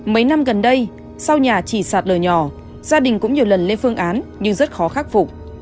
mấy năm gần đây sau nhà chỉ sạt lở nhỏ gia đình cũng nhiều lần lên phương án nhưng rất khó khắc phục